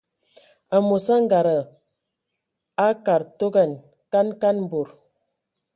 Amos angada akad togan kan kan bod.